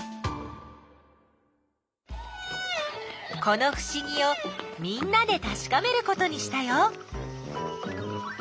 このふしぎをみんなでたしかめることにしたよ。